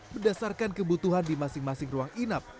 berdasarkan kebutuhan di masing masing ruang inap